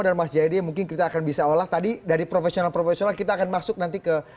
dan mas jadi mungkin kita akan bisa olah tadi dari profesional profesional kita akan masuk nanti ke